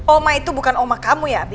oma itu bukan oma kamu ya